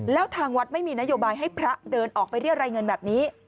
แล้วทางวัดไม่มีนโยบายให้พระเดินออกไปเรียรายเงินแบบนี้